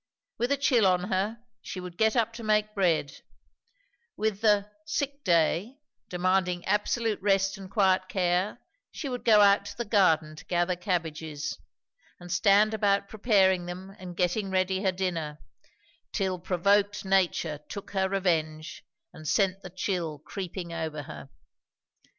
With a chill on her she would get up to make bread; with the "sick day" demanding absolute rest and quiet care, she would go out to the garden to gather cabbages, and stand about preparing them and getting ready her dinner; till provoked nature took her revenge and sent the chill creeping over her.